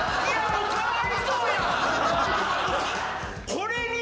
もうかわいそうや。